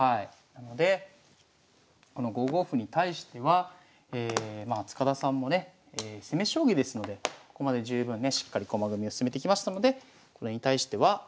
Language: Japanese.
なのでこの５五歩に対しては塚田さんもね攻め将棋ですのでここまで十分ねしっかり駒組みを進めてきましたのでこれに対しては。